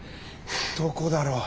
どこだろう？